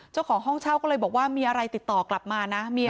เจ้าของห้องเช่าก็เลยบอกว่ามีอะไรติดต่อกลับมานะ